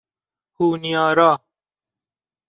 هونیارا